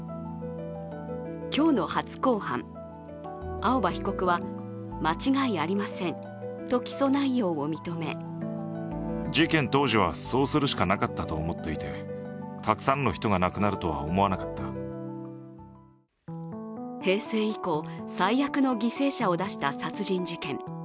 今日の初公判、青葉被告は間違いありませんと起訴内容を認め平成以降、最悪の犠牲者を出した殺人事件。